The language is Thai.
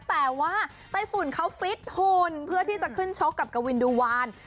แต่ว่าไต้ฝุ่นเขาฟิตหุ่นเพื่อที่จะขึ้นชกกับกวินดูวาน